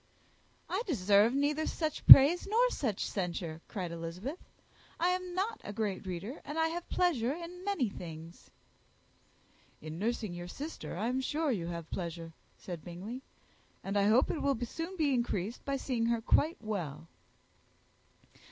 "I deserve neither such praise nor such censure," cried Elizabeth; "I am not a great reader, and I have pleasure in many things." "In nursing your sister I am sure you have pleasure," said Bingley; "and I hope it will soon be increased by seeing her quite well."